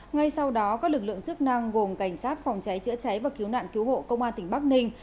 ngay sau đó các lực lượng chức năng gồm cảnh sát phòng cháy chữa cháy và cứu nạn cứu hộ công an tỉnh bắc ninh